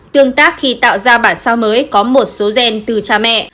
tương tác khi tạo ra bản sao mới có một số gen từ cha mẹ